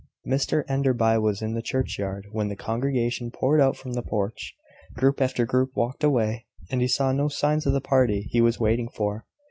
Mr Enderby was in the churchyard when the congregation poured out from the porch. Group after group walked away, and he saw no signs of the party he was waiting for.